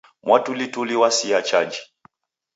Mwatulituli w'asia chaji.